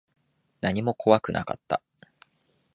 何も怖くなかった。